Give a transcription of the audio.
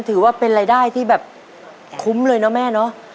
ถือว่าเป็นรายได้ที่แบบคุ้มเลยนะแม่เนอะ